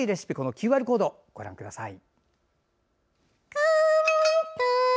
ＱＲコードをご覧ください。